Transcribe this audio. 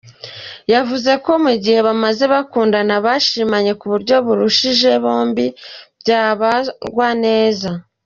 Yavuze ko mu gihe bamaze bakundana bashimanye ku buryo barushinze bombi byabagwa neza.